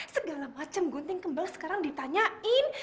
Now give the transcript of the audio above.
segala macam gunting kembang sekarang ditanyain